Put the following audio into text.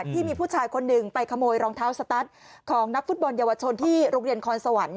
ที่มีผู้ชายคนหนึ่งไปขโมยรองเท้าสตัสของนักฟุตบอลเยาวชนที่โรงเรียนคอนสวรรค์